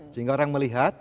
sehingga orang melihat